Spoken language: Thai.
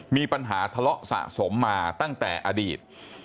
มีปัญหาทะเลาะสะสมมาตั้งแต่อดีต